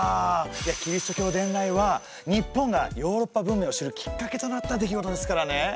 いやキリスト教伝来は日本がヨーロッパ文明を知るきっかけとなった出来事ですからね。